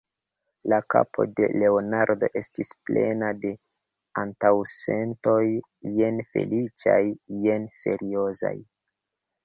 La kapo de Leonardo estis plena de antaŭsentoj, jen feliĉaj, jen seriozaj.